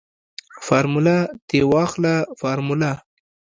فارموله تې واخله فارموله.